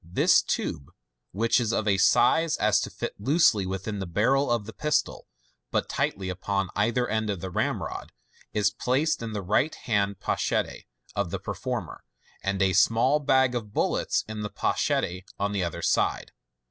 This tube, which is of such a size as to fit loosely within the barrel of the pistol, but tightly upon either end of the ramrod, is placed in the right hand pochette of the performer, and a small bag of bullets in the pochette on the other side.